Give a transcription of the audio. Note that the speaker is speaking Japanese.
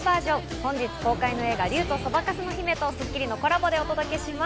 本日公開の映画『竜とそばかすの姫』と『スッキリ』のコラボでお届けします。